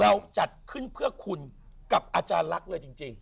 เราจัดขึ้นเพื่อคุณกับอาจารย์ลักษณ์เลยจริง